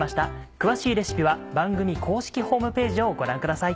詳しいレシピは番組公式ホームページをご覧ください。